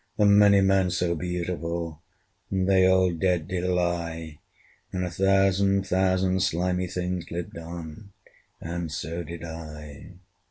The many men, so beautiful! And they all dead did lie: And a thousand thousand slimy things Lived on; and so did I.